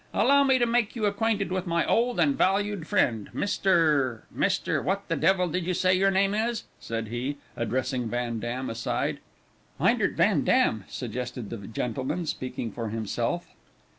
Allow me to make you acquainted with my old and valued friend Mr. Mr. what the devil did you say your name is?" said he, addressing Van Dam, aside. "Myndert Van Dam," suggested the gentleman speaking for himself.